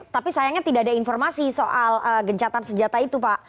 tapi sayangnya tidak ada informasi soal gencatan senjata itu pak